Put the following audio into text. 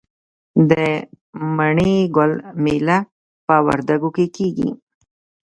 د مڼې ګل میله په وردګو کې کیږي.